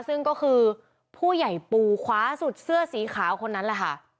ซึ่งก็คือผู้ใหญ่ปูคว้าสุดเสื้อสีขาวคนนั้นแหละค่ะ